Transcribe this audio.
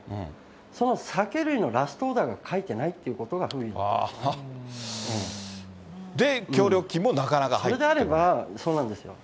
その酒類のラストオーダーが書いてないっていうことが不備だったで、協力金もなかなか入っそれであれば、そうなんですよ。